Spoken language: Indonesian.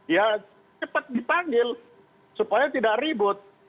ya cepat dipanggil supaya tidak ribut